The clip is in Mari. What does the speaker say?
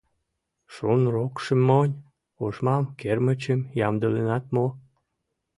— Шунрокшым монь, ошмам, кермычым ямдыленат мо?